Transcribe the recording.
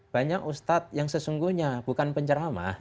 banyak ustadz yang sesungguhnya bukan penceramah